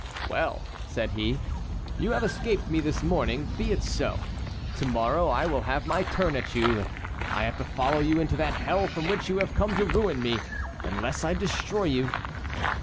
"Well!" said he, "you have escaped me again this morning; be it so. To morrow I will have my turn at you if I have to follow you into that hell from which you have come to ruin me, unless I destroy you."